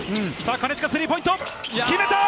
金近、スリーポイント、決めた！